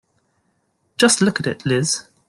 Just look at it, Liz.